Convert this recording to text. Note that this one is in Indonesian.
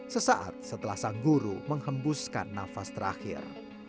sesaat setelah sang guru menghembuskan nafas terakhir